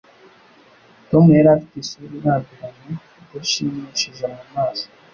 Tom yari afite isura irambiranye, idashimishije mu maso.